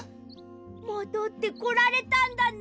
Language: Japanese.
もどってこられたんだね。